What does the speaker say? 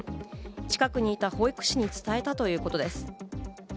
近くにいた保育士に伝えたということです。